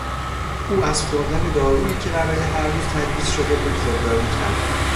او از خوردن دارویی که برای هر روز تجویز شده بود خودداری کرد.